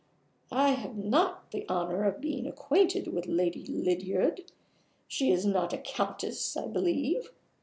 I have not the honor of being acquainted with Lady Lydiard. She is not a Countess, I believe?